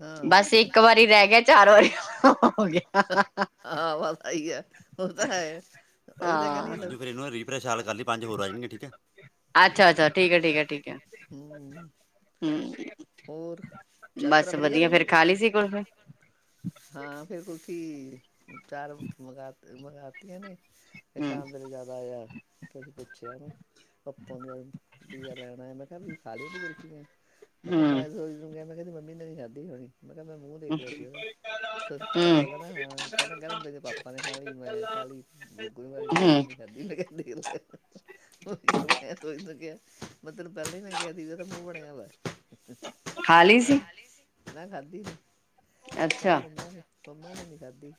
ਹਾਂ ਬਸ ਇੱਕ ਵਾਰੀ ਰਹਿ ਗਿਆ ਸਹੀ ਆ ਉਹ ਤਾਂ ਹੈ ਉਹੀ ਤਾਂ ਕਹਿ। ਫਿਰ ਸਾਲ ਕਰ ਲਈ ਪੰਜ ਹੋਰ ਆ ਜਾਣਗੇ ਠੀਕ ਹੈ। ਹੋਰ ਯਾਤਰਾ ਵਧੀਆ ਰਹੀ? ਵਧਿਆ ਫੇਰ ਖਾਂਲੀ ਸੀ ਕੁਲਫੀ। ਹਾਂ ਫਿਰ ਕੁਲਫੀ। [inaudible] ਉਪਚਾਰ ਵਗਾ [unintelligible] ਮੰਗਤੀਆਂ ਨੇ [unintelligible] ਇਹ ਸ਼ਾਮ ਵੇਲੇ ਯਾਦ ਆਇਆਂ ਪੁੱਛਿਆ ਆਪਾ ਨੂੰ ਦੀ ਲੈਣ ਆਇਆ ਮੈਂ ਕਿਹਾ ਵੀ ਖਾਂਲੀ ਸੀ ਕੁਲਫੀ। ਮੈਂ ਕਿਹਾ ਮੈਂ ਸੋਚਦੀ [unintelligible] ਮੈਂ ਤਾਂ ਕਿਹਾ ਤੇਰੀ ਮੰਮੀ ਨੇ ਤਾਂ ਖਾਧੀ ਨਹੀਂ ਹੋਣੀ। ਮੈਂ ਕਿਹਾ ਮੈਂ ਮੂੰਹ ਦੇਖ ਲਿਆ ਸੀਗਾ। ਉਹਦਾ ਪਾਪਾ ਕਹਿੰਦਾ ਕਹਿੰਦਾ ਕਹਿੰਦਾ ਮੇਰੇ ਪਾਪਾ ਨੇ ਖਾ ਲਈ ਮੈਂ ਖਾ ਲਈ ਗੁਗੂ ਨੇ ਖਾਂਲੀ ਮੇਰੀ ਮੰਮੀ ਨੇ ਨੀ ਖਾਈ ਮੈਂ ਦੇਖ ਲੇ ਮੈਂ ਸੋਚਿਆ। ਮੈਂ ਤੈਨੂੰ ਪਹਿਲਾਂ ਹੀ ਕਿਹਾ ਸੀ ਤੇਰਾ ਮੂੰਹ ਬਣਿਆ ਪਿਆ। ਖਾਲੀ ਸੀ। ਮੈਂ ਖਾਧੀ ਸੀ। ਕਹਿੰਦਾ ਮੰਮਾ [inaudible] ਮੰਮਾ ਨੇ ਨਹੀਂ ਖਾਧੀ।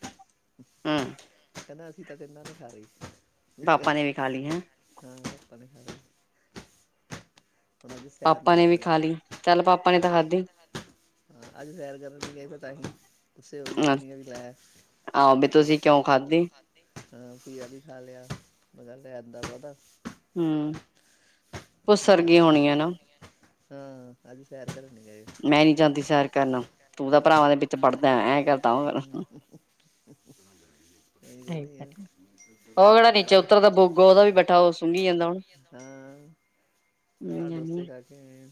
ਕਹਦਾ [unintelligible] [inaudible] ਪਾਪਾ ਨੇ ਵੀ ਖਾ ਲਈ ਹੈਂ। [unintelligible] ਪਾਪਾ ਨੇ ਵੀ ਖਾ ਲਈ ਚੱਲ ਪਾਪਾ ਨੇ ਤਾਂ ਖਾਧੀ ਅੱਜ ਸੈਰ ਕਰਨ ਗਏ ਪਤਾ ਨਹੀਂ ਗੁੱਸੇ ਹੋ ਗੀ ਹੋਣੀ ਆ ਵੀ ਲੈ ਤੁਸੀ ਕਿਉਂ ਖਾਦੀ ਹਾਂ ਘੀਆ ਵੀ ਖਾ ਲਿਆ ਉਹਦਾ ਰੈਤਾ ਬਹੁਤਾ ਹਮ ਭੁਸਰ ਗੀ ਹੋਣੀ ਐ ਨਾ ਹਾਂ ਅਜ ਸੈਰ ਕਰਨ ਮੈਂ ਨੀ ਜਾਂਦੀ ਸੈਰ ਕਰਨ, ਤੂੰ ਤਾਂ ਭਰਾਵਾਂ ਦੇ ਵਿ ਬੜਦੇ ਹੈ ਆ [unintelligible] ਹਾਂ ਰਾਹ ਡੋਸੇ ਖਾ ਕੇ ਆਇਆਂ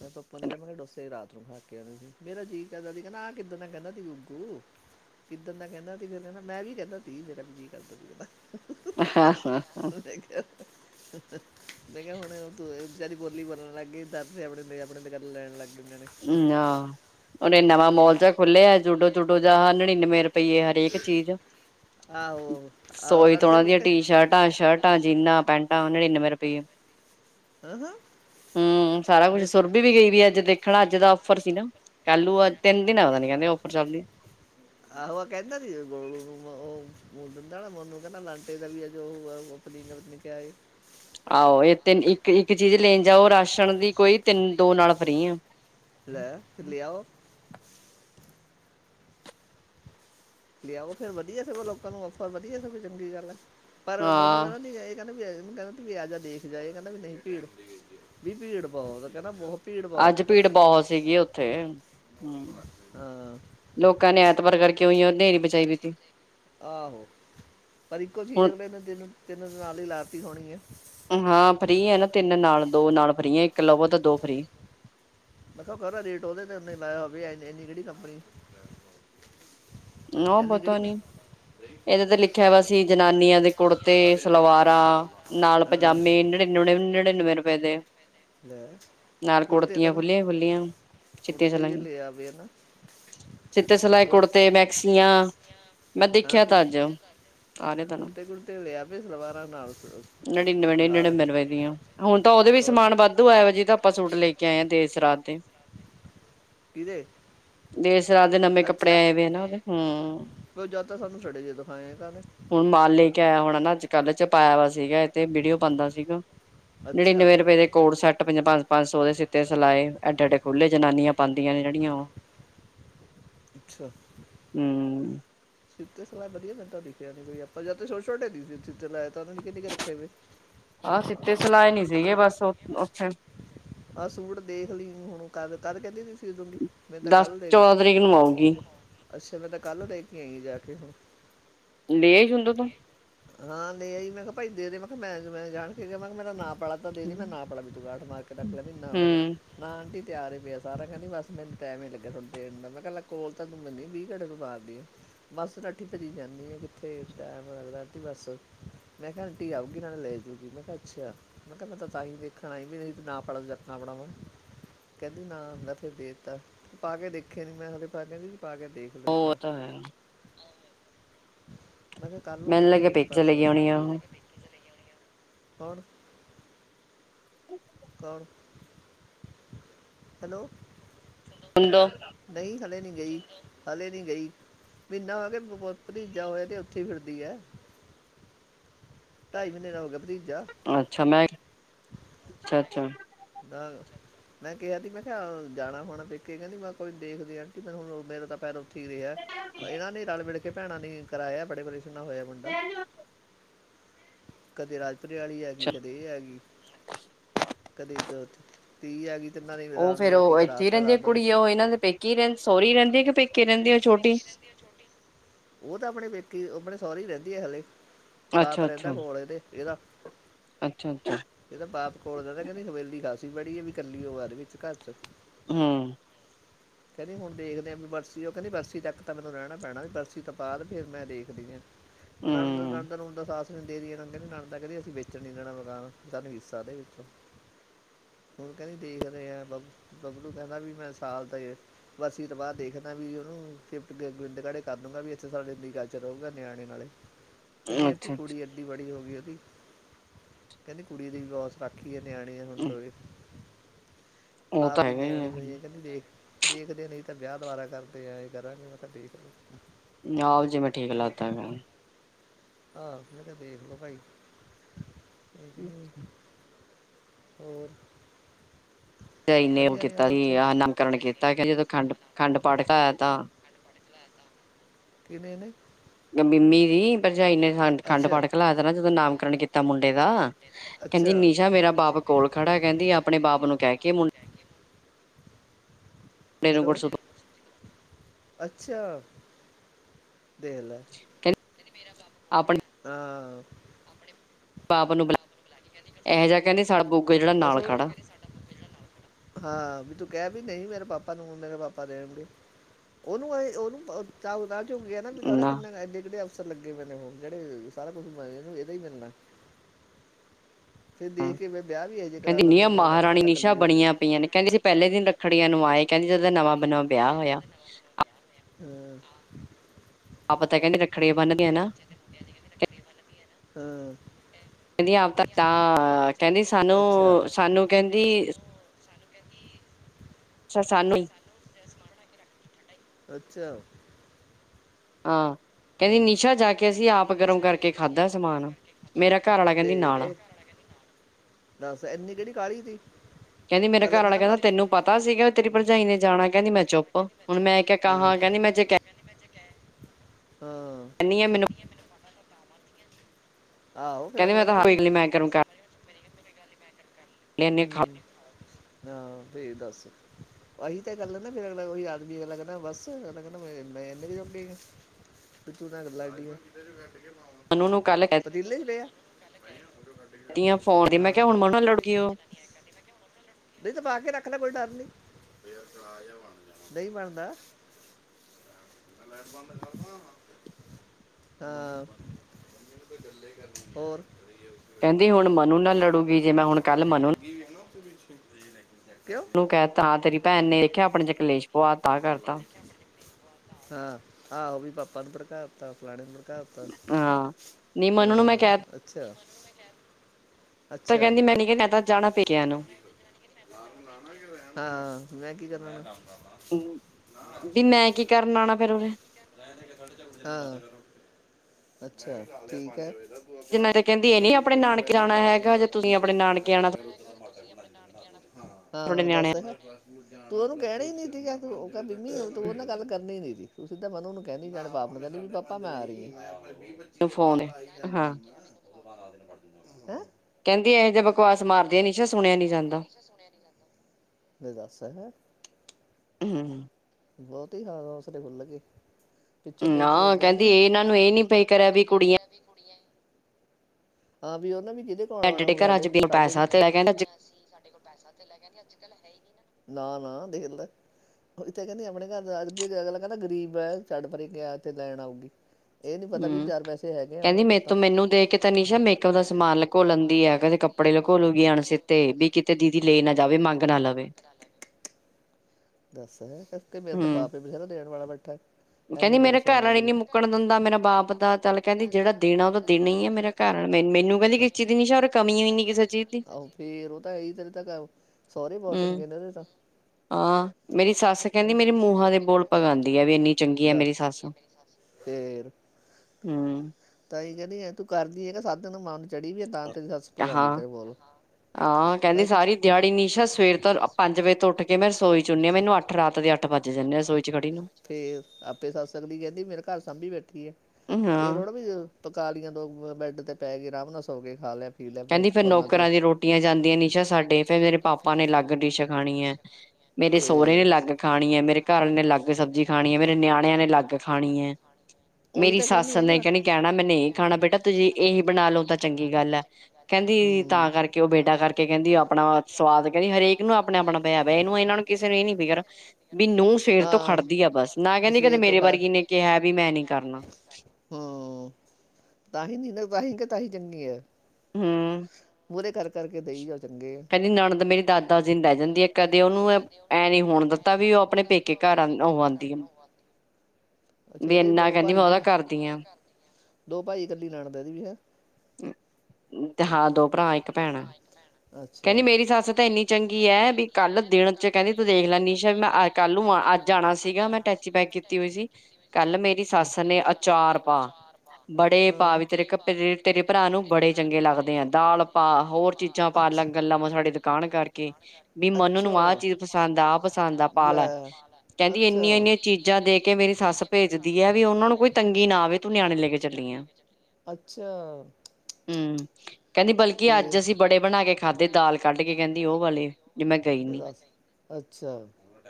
ਮੈਂ ਪਾਪਾ ਨੂੰ ਕਿਹਾ ਮੈਂ ਕਿਹਾ ਡੋਸੇ ਰਾਤ ਮੈਂ ਕਿਹਾ ਮੇਰਾ ਜ਼ੀਅ ਕਰਦਾ ਸੀ ਕਿੰਦਾ ਆਹ ਕਿਦਾਂ ਨਾਲ ਕਹਿੰਦਾ [unintelligible] ਗੋ ਕਿੱਦਣ ਦਾ ਕਹਿੰਦਾ ਸੀ ਫਿਰ ਮੈਂ ਵੀ ਕਹਿੰਦਾ ਸੀ ਮੇਰਾ ਵੀ ਜੇ ਕਰਦਾ ਕਹਿੰਦਾ ਹੰ ਹੰ ਹੰ ਹੰ ਹੰ ਤੂੰ ਦੇਖਿਆ [unintelligible] ਮੈਂ ਕਿਹਾ ਹੋਣੇ ਓ ਤੇ ਇਹ ਸ਼ਹਿਰ ਦੀ ਬੋਲੀ ਬੋਲਨ ਲੱਗ ਗਏ ਤਦ ਦੇ ਆਪਣੇ ਤੇ ਆਪਣੇ ਤੇ ਗਲ ਲੈਣ ਲੱਗ ਗਏ ਹਮ ਹਾਂ ਉਹਨੇ ਨਵਾਂ ਮੋਲ ਜਾ ਖੋਲਿਐ ਜੂਡੋ ਜੁਡੋ ਜਾਂ ਨੜਿਨਵੇਂ ਰੁਪਈਏ ਹਰੇਕ ਚੀਜ਼ ਸੋਈ ਤੋ ਓਨਾ ਦੀਆਂ ਟੀ ਸ਼ਰਟਾਂ ਸ਼ਰਟਾਂ ਜੀਨਾ ਪੈਂਟ ਆਓ ਨੜਿਨਵੇਂ ਰੁਪਯੀਏ ਹਮ ਸਾਰਾ ਕੁਛ ਸੁਰਬੀ ਵੀ ਗਈ ਵੀ ਅੱਜ ਦੇ ਦੇਖਣਾ ਅੱਜ ਦਾ ਆਫਰ ਸੀ ਨਾ ਕੱਲ ਨੂੰ ਅ ਤਿੰਨ ਦਿਨ ਹੈ ਪਤਾ ਨੀ ਕਹਿੰਦੇ ਆਫਰ ਸਭ ਲਈ ਆਹੋ ਆ ਕਹਿੰਦਾ ਸੀ ਗੋਲੂ ਉਹ ਦਿੰਦਾ ਨਾ ਮਨੂੰ ਕਹਿੰਦਾ ਲਾਂਟੇ ਦਾ ਵੀ ਅਜ ਉਹ [unintelligible] ਆਹੋ ਇਹ ਤਿੰਨ ਇੱਕ ਇੱਕ ਚੀਜ਼ ਲੈਣ ਜਾਓ ਰਾਸ਼ਨ ਦੀ ਕੋਈ ਤਿੰਨ ਦੋ ਨਾਲ ਫ੍ਰਰੀ ਐ ਲੈ ਲਿਆਓ ਲਿਆਓੋ ਫੇਰ ਵਧੀਆ ਸਗੋ ਲੋਕਾਂ ਨੂੰ ਔਫਰ ਵਧੀਆ ਸਗੋਂ ਚੰਗੀ ਗੱਲ ਹੈ ਪਰ ਮੋਨੂੰ ਕਹਿੰਦਾ ਸੀਗਾ ਏ ਕਹਿੰਦਾ ਵੀ ਮ ਕਹਿੰਦਾ ਵੀ ਆ ਜਾ ਦੇਖ ਜਾ ਇਹ ਕਹਿੰਦਾ ਵੀ ਨਹੀਂ ਭੀੜ ਵੀ ਭੀੜ ਬਹੁਤ ਕਹਿੰਦਾ ਬਹੁਤ ਅੱਜ ਭੀੜ ਬਹੁਤ ਸੀਗੀ ਉੱਥੇ ਹਮ ਲੋਕਾਂ ਨੇ ਐਤਵਾਰ ਕਰ ਕਿਉਂ ਈ ਉਹ ਨੇਰੀ ਬਛਾਈ ਹੋਈ ਤੀ ਆਹੋ ਪਰ ਇੱਕੋ ਚੀਜ਼ ਅਗਲੇ ਤਿੰਨ ਤਿੰਨ ਦਿਨਾ ਲਈ ਲਾਤੀ ਹੋਣੀ ਹੈ ਹਾਂ ਫ੍ਰੀ ਹੈ ਨਾ ਤਿੰਨ ਨਾਲ ਦੋ ਨਾਲ ਫ੍ਰਰੀ ਹੈ ਇੱਕ ਲਵੋ ਤਾਂ ਦੋ ਫ੍ਰਰੀ ਮਖੋ ਕਿਹਦਾ ਰੇਟ ਉਹਦੇ ਤੇ ਓਨ੍ਹੇ ਲਾਇਆ ਹੋਵੇ ਇਹਜੀ ਕਿਹੜੀ ਕੰਪਨੀ ਉਹ ਪਤਾ ਨੀ, ਇਹਦੇ ਤੇ ਲਿਖਿਆ ਹੋਇਆ ਸੀ ਜਨਾਨੀਆਂ ਦੇ ਕੁੜਤੇ, ਸਲਵਾਰਾਂ ਨਾਲ ਪਜਾਮੇ, ਨੜਿਨ ਨੜਿਨਵੇਂ ਰੁਪਏ ਦੇ। ਨਾਲ ਕੁੜਤੀਆਂ ਖੁੱਲੀਆਂ ਖੁੱਲੀਆਂ, ਸਿੱਤੇ ਸਿਲਾਈਆਂ। ਸਿੱਤੇ ਸਿਲਾਈ ਕੁੜਤੇ, ਮੈਂ ਮੈਂ ਦੇਖਿਆ ਤਾਂ ਅੱਜ ਆ ਰਿਹਾ, ਤੁਨੂੰ ਨੜਿਨਵੇਂ, ਨੜਿਨ ਰੁਪਏ ਦੀਆਂ ਹੁਣ ਤਾਂ। ਉਹਦੇ ਵੀ ਸਮਾਨ ਵਾਧੂ ਆਇਆ ਵਾ ਜੀ। ਤਾਂ ਆਪਾਂ ਸੂਟ ਲੈ ਕੇ ਆਏ ਹਾਂ, ਦੇਸ ਰਾਤ ਦੇ। ਕਿਦੇ? ਦੇਸ਼। ਜਰਾ ਦੇ ਨਵੇਂ ਕੱਪੇ ਆਏ ਨਾ, ਉਹਦੇ। ਹਮ। [unintelligible] ਕ ਹੋਣਾ ਨਾ, ਅੱਜ ਕੱਲ੍ਹ ਚ ਪਾਇਆ ਵਾ ਸੀਗਾ। ਇਹ ਤੇ ਵੀਡੀਓ ਬਣਦਾ ਸੀਗਾ। ਨੜਿਨਵੇਂ ਰੁਪਏ ਦੇ ਕੋਟ ਸੱਟ, ਪੰਜ-ਪੰਜ ਸੋਂ ਦੇ। ਤੇ ਸਿਲਾਏ, ਏਡੇ-ਏਡੇ ਖੁੱਲੇ ਜਨਾਨੀਆਂ ਪਾਉਂਦੀਆਂ ਨੇ, ਜਿਹੜੀਆਂ ਉਹ। ਅੱਛਾ। ਹਮ। [unintelligible] ਆਹ ਸਿੱਤੇੇ ਚਲਾਏ ਨੀ ਸੀਗੇ, ਬਸ ਉੱਥੇ। ਆਹ ਸੂਟ ਦੇਖ ਲਈ, ਹੁਣ ਕਲ ਕਰ ਕ ਦੇਂਦੀ ਸੀ [unintelligible] ਅੱਛਾ, ਮੈਂ ਤਾਂ ਕੱਲ੍ਹ ਲੈ ਦੇਕੇ ਆਈ ਹਾਂ, ਜਾ ਕੇ ਹੁ ਲਿਆਈ ਸੀ ਉਹਦੇ ਤੂੰ? ਹਾਂ, ਨਹੀਂ ਆਈ। ਮੈਂ ਕਿਹਾ, ਭਾਈ, ਦੇ ਦੇ ਮੈਂ ਕਿਹਾ, ਮੈਂ, ਮੈਂ ਜਾਣ ਕੇ, ਮੈਂ ਕਿਹਾ, ਮੇਰਾ ਨਾਪ [unintelligible] [unintelligible] ਤਿਆਰ ਹੀ ਪਿਆ ਸਾਰਾ। ਕਹਿੰਦੀ ਬਸ ਮੈਨੂੰ ਟੈਮ ਹੀ ਲੱਗਿਆ ਤੁਾ ਦੇਣ ਦਾ। ਮੈਂ ਕਹਿੰ ਕੋਲ ਤਾਂ ਮੈਂ ਵੀਹ ਘੰਟੇ ਤੋਂਮਾਰਦੀ ਆ ਬਸੱਠੀ ਭੱਜੀ ਜਾਂਦੀ ਆ ਕਿੱਥੇ ਟ ਲੱਗਦਾਂਟੀ ਬਸ ਮੈਂ ਕਿਹਾ ਆਂਟੀ ਆਊਗੀ ਨਾਲੇ ਲੈ ਜਾੂਗੀ ਮੈਂ ਕਿਹਾ ਅੱਛਿਆ ਮੈਂ ਕਹਿੰਦਾ ਤਾਂਹੀ ਦੇਖਣ ਆਈ ਬਈ ਨਹੀਂ ਤੇਨਾਪ ਜਣਾ ਆਪਣਾ ਬਣਾਓ ਕਹਿੰਦੀ, ਨਾ ਮੈ ਫਿਰ ਦੇ ਦਿੱਤਾ, ਪਾ ਕੇ ਦੇਖੇ। ਨੀ, ਮੈਂ ਹਦੇ ਪਾ ਕਹਿੰਦੀ। ਪਾ ਕੇ ਦੇਖ ਲਓ, ਆਪਣਾ। ਕਲ ਨੂੰ ਦੇਖੂਗੀ ਪਰਸੋ ਨੂੰ ਦੇਖੂਗੀ ਹੋਰ ਹ [inaudible] ਕੌਣ ਹੈਲੋ! ਨਹੀਂ, ਹਲੇ ਨੀ। ਗਈ ਹਾਲੇ ਨੀ ਗਈ, ਮਹੀਨਾ ਹੋ ਕੇ ਭਤੀਜਾ ਹੋਇਆ, ਤੇ ਉੱਥੇ ਫਿਰਦੀ ਹੈ। ਢਾਈ ਮਹੀਨੇ ਦਾ ਹੋ ਗਿਆ। ਅੱਛਾ ਮੈਂ ਅੱਛਾ, ਅੱਛਾ। ਨਾ ਮੈਂ ਕਿਹਾ ਤ ਮੈਂ ਕਿਹਾ ਜਾਣਾ ਹੋਣਾ ਪੇਕੇ ਕਹਿੰਦੀ ਮੈਂ ਕੋਈ ਦੇਖਦੀ ਆਂ ਮੈਂ ਹੁਣ ਮੇਰੇ ਤਾਂ ਪੈਰੋ ਠੀਕ ਰਿਹਾ ਹੈ। ਇਹਨਾਂ ਨੇ ਰਲ ਮਿਲ ਕੇ ਭੈਣਾਂ ਨੇ ਕਰਾਇਆ ਬੜੀ ਵਾਰੀ ਪੁੱਛਣਾ ਹੋਇਆ ਮੁੰਡਾ ਕਦੀ ਰਾਜ ਪਟਿਆਲੀ ਹੈਗੀ ਕਦੇ ਇਹ ਹੈਗੀ ਕਦੇ ਤਾਂ ਉਥੇ ਧੀ ਆ ਗਈ ਉਹ ਫੇ ਉਹ ਇੱਥੇ ਹਹਿੰਦੀ ਕੁੜੀ ਉਹ ਇਹਨਾਂ ਦੇ ਪੇਕੀ ਰਹ ਸੋੁਰਰੀ ਰਹਿੰਦੀ ਆ ਕਿ ਪੇਕੀ ਕੇ ਰਹਿੰਦੀ ਹੈ ਛੋਟੀ ਉਹ ਤਾਂ ਆਪਣੇ ਪੇਕੀ ਆਪਣੇ ਸਹੁਰੀ ਰਹਿੰਦੀ ਹੈ। ਹਲੇ ਬਾਪ ਰਹਿੰਦਾ ਕੋਲ ਇਹਦੇ ਇਹਦਾ ਇਹਦਾ ਬਾਪ ਕੋਲ ਰਹਿੰਦਾ ਕਹਿੰਦੀ ਹਵੇਲੀ ਖਾਸ ਬੜੀ ਇਹ ਵੀ ਇਕੱਲੀ ਉਹ ਆਦੇ ਵਿੱਚ ਘਰ ਚੋ ਹਮ ਕਹਿੰਦੀ ਹੁਣ ਦੇਖਦੇ ਆ ਵੀ ਬਰਸੀ ਉਹ ਕਹਿੰਦੀ ਬਰਸੀ ਤੱਕ ਤਾਂ ਮੈਨੂੰ ਰਹਿਣਾ ਪੈਣਾ ਬਰਸੀ ਤੋਂ ਬਾਅਦ ਫਿਰ ਮੈਂ ਦੇਖਦੀ ਆ ਨੰਦ ਨੰਦ ਨੁੰਦ ਸਾਸ ੈਨੂੰ [unintelligible] ਦੇਰੀ ਰੰਗ ਨਹੀਂ ਲਣਦਾ ਕਹਿੰਦੀ ਅਸੀਂ ਵੇਚਣ ਨਹੀਂ ਦੇਣਾ ਮਕਾਨ ਸਾਨੂੰ ਹਿੱਸਾ ਦੇ ਇਹਦੇ ਵਿੱਚੋਂ ਹੁਣ ਕਹਿੰਦੀ ਦੇਖ ਰਹੇ ਆ ਬੰਦੇ ਦੀ ਗੱਲ ਤਾਂ ਕਦੇ ਬਬ ਬਬਲੂ ਕਹਿੰਦਾ ਵੀ ਮੈਂ ਸਾਲ 'ਦੇ ਬਸੀ ਤੋਂ ਬਾਅਦ ਦੇਖਦਾ ਵੀ, ਉਹਨੂੰ ਗਿਫਟ ਗਿੰਦ ਕੜੇ ਕਰ ਦੂਗਾ ਵੀ, ਇੱਥੇ ਸਾਡੇ ਕਲਚਰ ਰਹੇਗਾ ਨਿਆਣੇ ਨਾਲੇ ਕਦੀ ਇਹਦੀ ਕੁੜੀ ਅਦੀ ਬੜੀ ਹੋ ਗਈ ਉਹਦੀ ਕਹਿੰਦੀ ਕੁੜੀ ਦੀ ਵੀ ਆਸ ਰੱਖੀ ਨਿਆਣੇ ਹੈ ਹੁਣ ਦੋ ਵੀ ਆਪ ਵੀ ਨਿਆਣੀ ਹੋਈ ਆ, ਕਹਿੰਦੀ ਦੇਖ ਦੇਖਦੇ ਨਹੀਂ ਤਾਂ ਵਿਆਹ ਦੁਬਾਰਾ ਕਰਦੇ ਆ, ਇਹ ਕਰਾਂਗੇ ਮੈਂ ਤਾਂ ਦੇਖਦੇ- ਆਓ ਜੀਮੈਂ ਠੀਕ ਲਾਗਦਾ ਹੈਗਾ- ਆਹੋ ਮੈਂ ਤੇ ਦੇਖਲੋ ਭਾਈ [unintelligible] ਹੋਰ ਨੇ ਉਹ ਕੀਤਾ ਸੀ, ਨਾਮਕਰਨ ਕੀਤਾ ਕ ਜਦੋਂ ਖੰਡ ਖੰਡ ਪਾਠ ਤਾਂ ਤਾਂ ਕਿਵੇੇ ਨੇ ਬਿੰਮੀ ਦੀ ਪਰਜਾਈ ਨੇ ਖੰਡ ਪਾਠ ਖਲਾਆ ਨਾ ਜਦੋਂ, ਨਾਮਕਰਨ ਕੀਤਾ। ਤਾ ਮੁੰਡੇ ਦਾ ਕਹਿੰਦੀ ਨਿਸ਼ਾ ਮੇਰਾ ਬਾਪ ਕੋਲ ਖੜਾ ਕਹਿੰਦੀ, ਆਪਣੇ ਬਾਪ ਨੂੰ ਕਹਿ ਕੇ ਮੁੰਡ ਹੈਲੋ ਅੱਛਾ ਦੇਖ ਲ ਹਾਂ ਬਾਬ ਨੂੰ ਬੁਲਾਯਾ ਇਹੋ ਜਿਹਾ ਕਹਿੰਦੇ ਸਾਡਾ, ਬੁਗ ਜਿਹੜਾ ਨਾਲ ਖੜਾ। ਕਹਿਣ ਗੇ ਮੇਰੇ ਪਾਪਾ ਨੂੰ, ਮੇਰੇ ਪਾਪਾ ਦੇਣਗੇ ਉਹਨੂੰ ਉਹਨੂੰ ਕਹਿੰਦੇ ਕਿੰਨਾ ਐੱਡੇ ਲੱਗੇ ਮੈਨੂੰ ਜਿਹੜੇ ਸਾਰਾ ਕੁੱਛ, ਇਹਨੂੰ ਇਹਦਾ ਹੀ ਮਿਲਣਾ। ਹਾਂ ਕਹਿੰਦੀ ਹੀ ਮਹਾਰਾਣੀ ਨਿਸ਼ਾ, ਬਣੀਆਂ ਪਈਆਂ ਨੇ ਕਹਿੰਦੀ ਅਸੀਂ ਪਹਿਲੇ ਨੀ ਰੱਖੜੀਆਂ ਨੂੰ ਆਏ ਕਹਿੰਦੇ ਉਦਾਂ, ਨਵਾਂ ਨਵਾਂ ਵਿਆਹ ਹੋਇਆ ਹਮ [inaudible] ਆਪ ਪਤਾ ਕਹਿੰਦੇ ਰੱਖੜਿਆ ਬਨਦਿਆ ਹਨ ਹਹ [inaudible] ਕਹਿੰਦੀ ਆਪ ਤਾਂ, ਪਤਾ ਕਹਿੰਦੀ ਸਾਨੂੰ ਕਹਿੰਦੀ ਅੱਛਾ ਸਾਨੂੰ ਹੀ ਅੱਛਾ। ਹਾਂ। ਕਹਿੰਦੀ ਨਿਸ਼ਾ ਜਾ ਕੇ ਅਸੀ ਆਪ ਗਰਮ ਕਰਕੇ ਖਾਧਾ ਸਮਾਨ, ਮੇਰਾ ਘਰ ਵਾਲਾ ਕਹਿੰਦੀ ਨਾਲਾ ਕਹਿੰਦੀ ਮੇਰਾ ਘਰ ਵਾਲਾ ਕਹਿੰਦਾ ਤੈਨੂੰ ਪਤਾ ਸੀ। ਤੇਰੀ ਭਰਜਾਈ ਨੇ ਜਾਣਾ ਕਹਿੰਦੀ ਮੈਂ ਚੁੱਪ ਹੁਣ ਮੈ ਕਿ ਕਹਿੰਦੀ ਮੈਂ ਜੇ ਕਹਿ ਅੰਨਾਏ ਮੈਨੂੰ ਕਹਿੰਦੀ ਮੈਂ ਤਾਂ ਹੋਈ ਗਲ ਮੈਂ ਕਰੂੰਗੀ ਹੂ ਇਨੇ ਹਾਂ ਫਿਰ ਦੱਸ ਅਸੀ ਤਾਂ ਗੱਲ ਨਾ ਫਿਰ ਅਗਲਾ ਉਹੀ ਆਦਮੀ ਅਗਲਾ ਕਹਿੰਦਾ ਬੱਸ ਅਗਲਾ ਕਹਿੰਦਾ ਮੈਂ ਇਨੇ ਵੀ ਚ ਤੂੰ ਨਾ ਗੱਲਾਂ ਐ ਪਤੀਲੇ ਚੇ ਰਹੇ ਆ ਕਦੀ ਫੋਨ ਦੀ ਮੈਂ ਕਿਹਾ ਹੁਣ ਮੜੋ ਲੜ ਗਈ ਉਹ ਨਹੀਂ ਤੇ ਪਾ ਕੇ ਰੱਖਦਾ ਕੋਈ ਡਰ ਨੀ ਨਹੀਂ ਬਣਦਾ ਹਹ ਹੋਰ ਕਹਿੰਦੀ ਹੁਣ ਮਨੂੰ ਨਾ ਲੜੂਗੀ ਜਿਵੇਂ ਹੁਣ ਕੱਲ੍ਹ ਮਨੂੰ ਜੀ ਨਹੀਂ ਤੁ ਕਹਿ ਤੇ ਤੇਰੀ ਭੈਣ ਨੇ ਦੇੇਖਿਆ ਆਪਣੇ ਜੇ ਕਲੇਸ਼ ਆ ਪਿਉਆ ਤਾ ਹਾਂ ਆਹੋ ਵੀ ਪਾਪਾ ਨੂੰ ਭੜਕਾ ਦਿੱਤਾ ਕਿਹਤਾ ਹਾਂ ਅੱਛਾ ਅੱਛਾ ਹਾਂ ਮੈਂ ਕੀ ਕਰਨਾ ਅਣਾ ਹਹ ਅੱਛਾ ਠੀਕ ਹੈ। ਤੂੰ ਆਪਣਾ ਪਤਾ ਕੀ ਕਰੀ ਪਹਿਲਾਂ ਬਾਥਰੂਮ ਦਾ ਕੰਮ ਨਿਬੇੜ ਲੀ ਤੂੰ ਉਹਨੂੰ ਕਹਿ ਦੇਈ [unintelligible] ਤਾਂ ਬਿੰਨੀ ਤੂੰ ਉਹਦੇ ਨਾਲ ਗੱਲ ਕਰ ਤੁਸੀਂ ਸਿੱਧਾ ਮਨੂ ਨੂੰ ਕਹਦੀ, ਨਾਲੇ ਬਾਪ ਨੂੰ ਕਹਦੀ ਵੀ ਪਾਪਾ ਮੈਂ ਆ ਰਹੀ ਹਾਂ। ਵੀਹ-ਪੱਚੀ ਦੇ ਬਾਹਰ ਆ ਹੀ ਜਾਂਦਾ ਹੁੰਦਾ। ਹੈਂ ਕਹਿੰਦੀ ਇਹੋ ਜੀ ਬਕਵਾਸ ਮਾਰਦੀਆਂ ਨੀ ਸੀ ਸੁਣਿਆ ਨੀ ਜਾਂਦਾ। ਬਹੁਤ ਹੀ [unintelligible] ਨਾ ਕਹਿੰਦੀ ਇਹਨਾਂ ਨੂੰ ਇਹ ਨੀ ਪਈ ਕਰਿਆ ਵੀ ਕੁੜੀਆਂ ਹਾਂ ਵੀ ਉਹਨਾ ਵੀ ਕੀਹਦੇ ਕੋਲ ਆਉਣਾ ਹੁਣ ਸਾਡੇ, ਸਾਡੇ ਨਾ ਨਾ ਦੇਖ ਲੈ ਇੱਥੇ ਕਹਿੰਦੇ ਆਪਣੇ ਘਰ ਅੱਗੇ ਜਾ ਕੇ, ਅਗਲਾ ਕਹਿੰਦਾ ਗਰੀਬ ਹੈ ਛੱਡ ਪਰੇ, ਕਿਆ ਇੱਥੇ ਕਿਆ ਲੈਣ ਆਉਗੀ। ਇਹ ਨੀ ਪਤਾ ਵੀ ਚਾਰ ਪੈਸੇ ਹੈਗੇ ਆ ਉਹਨਾਂ ਕੋਲ ਤਾਂ [inaudible] ਦੱਸ ਕਰਕੇ ਮੇਰੇ ਤਾਂ ਬਾਪੇ ਵੀ ਦੇਣ ਵਾਲਾ ਮੈ [unintelligible] ਏਨੀ ਪੈਨਸ਼ਨ ਆ ਉਹਦੀ। ਆਹੋ ਫੇਰ ਉਹ ਤਾਂ ਹੈ ਈ ਤੇਰੇ ਤਾਂ ਸਹੁਰੇ ਬਹੁਤ ਚੰਗੇ ਨੇ ਓਦੇ ਤਾਂ ਹਾਂ ਮੇਰੀ ਸੱਸ ਕਹਿੰਦੀ ਮੇਰੀ ਮੂੰਹਾਂ ਦੇ ਬੋਲ ਪਗਾਉਂਦੀ ਆ ਵੀ ਇੰਨੀ ਚੰਗੀ ਆ ਮੇਰੀ ਸੱਸ ਹੂੰ ਤਾਂਹੀ ਕਹਿੰਦੀ ਹੈ ਤੂੰ ਕਰਦੀ ਹੈਨਾ ਸਾਭ ਦਾ ਮਾਨ [unintelligible] ਚੜੀ ਵੀ ਆ ਤਾਂ ਤੇਰੀ ਸੱਸ ਪਗਾਉਂਦੀ ਤੇਰੇ ਬੋਲ, ਫੇਰ ਆਪੇ ਸੱਸ ਅਗਲੀ ਕਹਿੰਦੀ ਮੇਰਾ ਘਰ ਸਾਂਭੀ ਬੈਠੀ ਏ ਹਾਂ ਵੀ ਪਕਾਲੀਆਂ ਦੋ, ਬੈੱਡ ਤੇ ਪੈ ਗਈ ਆਰਾਮ ਨਾਲ ਸੋ ਕੇ ਖਾ ਲਿਆ ਕਹਿੰਦੀ ਫੇਰ ਨੋਕਰਾਨੀ ਰੋਟੀਆਂ ਜਾਂਦੀ ਏ ਨਿਸ਼ਾ ਸਾਡੇ, ਫੇਰ ਮੇਰੇ ਪਾਪਾ ਨੇ ਅਲੱਗ ਡਿਸ਼ ਖਾਣੀ ਹੈ, ਮੇਰੇ ਸਹੁਰੇ ਨੇ ਅਲੱਗ ਖਾਣੀ ਹੈ, ਮੇਰੇ ਘਰਆਲੇ ਨੇ ਅਲੱਗ ਸਬਜ਼ੀ ਖਾਣੀ ਹੈ, ਮੇਰੇ ਨਿਆਣਿਆਂ ਨੇ ਅਲੱਗ ਖਾਣੀ ਹੈ, ਮੇਰੀ ਸੱਸ ਨੇ ਕਹਿੰਦੀ ਕੈਪ ਨਾ ਮੈ ਨਹੀਂ ਖਾਣਾ ਬੇਟਾ ਤੁਸੀਂ ਇਹੀ ਬਣਾ ਲਓ ਤਾਂ ਚੰਗੀ ਗੱਲ ਹੈ। ਕਹਿੰਦੀ ਤਾਂ ਕਰਕੇ ਉਹ ਬੇਟਾ ਕਰਕੇ, ਕਹਿੰਦੀ ਆਪਣਾ ਸਵਾਦ ਕਹਿੰਦੀ ਹਰੇਕ ਨੂੰ ਆਪਣਾ-ਆਪਣਾ ਪਿਆ ਪਇਆ। ਇਹਨੂੰ ਇਹਨਾਂ ਨੂੰ ਕਿਸੇ ਨੂੰ ਇਹ ਨੀ ਫਿਕਰ ਵੀ ਨੂੰਹ ਸਵੇਰ ਤੋਂ ਖੜਦੀ ਆ ਬਸ, ਨਾ ਕਹਿੰਦੀ ਕਦੇ ਮੇਰੇ ਵਰਗੀ ਨੇ ਕਿਹਾ ਵੀ ਮੈਂ ਨੀ ਕਰਨਾ ਤਾਹੀ ਨੀ ਤਾਹੀਗੇ ਤਾਹੀ ਚੰਗੀ ਹੈ ਹੂੰ ਉਹਦੇ ਕਰ-ਕਰਕੇ ਦੇਈ ਜਾਓ ਕਹਿੰਦੀ ਨਨਦ ਮੇਰੀ ਦਾਦਾ ਜੀ ਨੂੰ ਲੈ ਜਾਂਦੀ ਹੈ। ਕਦੇ ਉਹਨੂੰ ਐਂ ਨੀ ਹੋਣ ਦਿੱਤਾ ਵੀ ਉਹ ਆਪਣੇ ਪੇਕੇ ਘਰ ਆ, ਉਹ ਆਦੀ ਏ ਵੀ ਇਨਾ ਕਹਿੰਦੀ ਮੈਂ ਉਹਦਾ ਕਰਦੀ ਆਂ ਦੋ ਭਾਈ ਇਕੱਲੀ ਨਨਦ ਹੈ ਇਹਦੀ ਵੀ ਹੈ। ਹਾ ਦੋ। ਭਰਾ ਇੱਕ ਭੈਣ ਆ। ਕਹਿੰਦੀ ਮੇਰੀ ਸੱਸ ਤਾਂ ਇੰਨੀ ਚੰਗੀ ਹੈ ਵੀ ਕੱਲ ਦਿਨ ਚ ਕਹਿੰਦੀ ਤੂੰ ਦੇਖ ਲੈ ਨੀਸ਼ਾ ਮੈਂ ਕੱਲ ਨੂੰ ਅੱਜ ਆਉਣਾ ਸੀਗਾ ਮੈਂ ਟੈਚੀ ਪੈਕ ਕੀਤੀ ਹੋਈ ਸੀ ਕੱਲ ਮੇਰੀ ਸੱਸ ਨੇ ਅਚਾਰ ਪਾ ਬੜੇ ਪਾ ਵੀ ਤੇਰੇ ਤੇਰੇ ਭਰਾ ਨੂੰ ਬੜੇ ਚੰਗੇ ਲੱਗਦੇ ਆ ਦਾਲ। ਪਾ ਹੋਰ ਚੀਜ਼ਾਂ। ਪਾਲਾਮ ਗੱਲਾਂ ਸਾਡੀ ਦੁਕਾਨ ਕਰਕੇ ਵੀ ਮੰਨੂੰ ਨੂੰ ਆਹ ਚੀਜ਼ ਪਸੰਦ ਆਹ ਪਸੰਦ ਆ ਪਾ ਲੈ ਕਹਿੰਦੀ ਇਨੀਆਂ ਇਨੀਆਂ ਚੀਜ਼ਾਂ ਦੇ ਕੇ ਮੇਰੀ ਸੱਸ ਭੇਜਦੀ ਆ ਵੀ ਉਹਨਾਂ ਨੂੰ ਕੋਈ ਤੰਗੀ ਨਾ ਆਵੇ ਤੂੰ ਨਿਆਣੇ ਲੈ ਕੇ ਚੱਲੀ ਆ ਹੂੰ। ਕਹਿੰਦੀ ਬਲਕਿ ਅੱਜ ਅਸੀਂ ਬੜੇ ਲੈ ਦੱਸ। ਅੱਛਾ, ਹੂੰ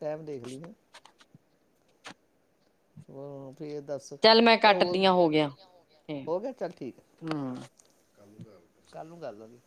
ਟਾਈਮ ਦੇਖ ਲੀ। ਹੂੰ ਫੇਰ ਦੱਸ ਕੈ ਹੋਰ। ਹੋ ਗਿਆ ਚੱਲ ਠੀਕ। ਕੱਲ ਨੂੰ ਕਰ ਲਈ।